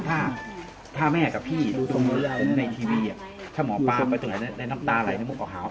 ถ้าแม่กับพี่ดูผมในทีวีถ้าหมอปลาไปตรงไหนได้น้ำตาไหลในมุกออกหาว